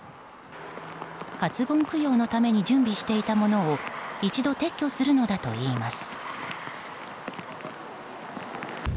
初盆供養のために準備していたものを一度撤去するのだといいます。